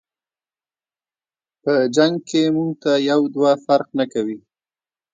په جنګ کی مونږ ته یو دوه فرق نکوي.